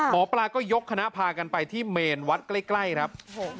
หมอปลาก็ยกคณะพากันไปที่เมนวัดใกล้ครับ